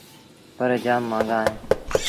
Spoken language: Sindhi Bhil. پر جآم مآݩگآ اهيݩ ۔